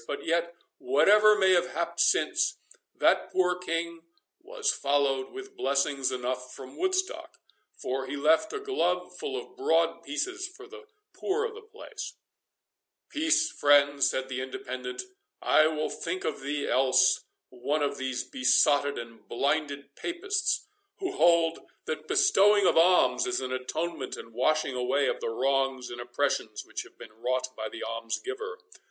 But yet, whatever may have happed since, that poor King was followed with blessings enough from Woodstock, for he left a glove full of broad pieces for the poor of the place"— "Peace, friend," said the Independent; "I will think thee else one of those besotted and blinded Papists, who hold, that bestowing of alms is an atonement and washing away of the wrongs and oppressions which have been wrought by the almsgiver.